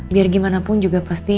biar gimana pun juga pasti